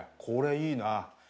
これいいな。